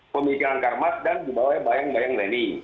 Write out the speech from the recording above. pemikiran karmak dan dibawahnya bayang bayang lenin